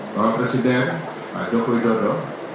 bapak presiden pak joko widodo